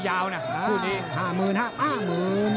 ยาวนะพูดดี๕๕๐๐๐